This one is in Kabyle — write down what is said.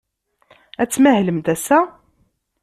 Ad tmahlemt ass-a?